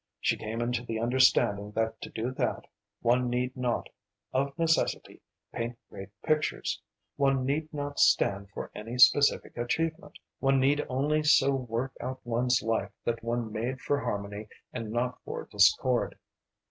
She came into the understanding that to do that, one need not of necessity paint great pictures, one need not stand for any specific achievement, one need only so work out one's life that one made for harmony and not for discord.